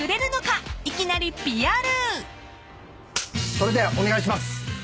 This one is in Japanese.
それではお願いします。